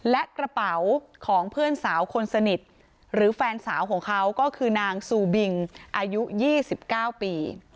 และกระเป๋าของเพื่อนสาวคนสนิทหรือแฟนสาวของเขาก็คือนางซูบิงอายุ๒๙ปี